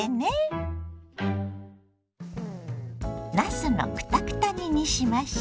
なすのクタクタ煮にしましょ。